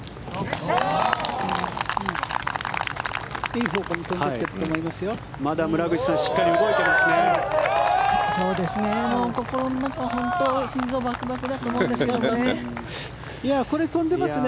いい方向に飛んでいってると思いますよ。